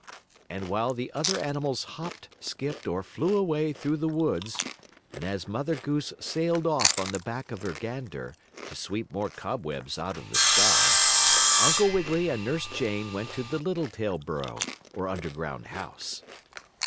And while the other animals hopped, skipped or flew away through the woods, and as Mother Goose sailed off on the back of her gander, to sweep more cobwebs out of the sky, Uncle Wiggily and Nurse Jane went to the Littletail burrow, or underground house.